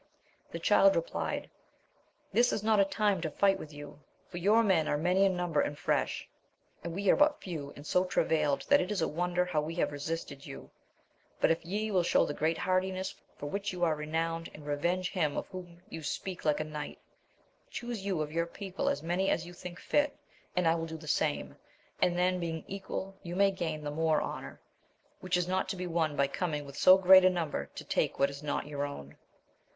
The Child replied. This is not a time to fight with you : for your men are many in number and fresh, and we are but few, and so travailed, that it is a wonder how we have resisted you; but if ye will show the great hardiness for which you are renowned, and revenge him of whom ye speak like a knight, chuse you of your people as many as you think fit, and I will do the same, and then being equal you may gain the more honour; which is not to be won by coming with so great a number to take what is not your own.